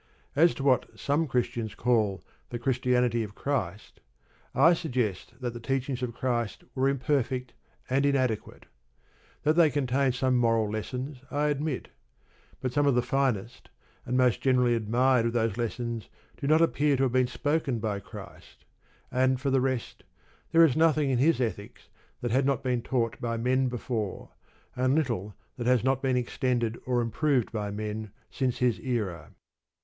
As to what some Christians call "the Christianity of Christ," I suggest that the teachings of Christ were imperfect and inadequate. That they contain some moral lessons I admit. But some of the finest and most generally admired of those lessons do not appear to have been spoken by Christ, and for the rest there is nothing in His ethics that had not been taught by men before, and little that has not been extended or improved by men since His era.